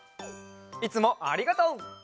いつもありがとう！